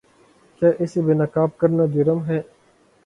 کیا اسے بے نقاب کرنا جرم ہے؟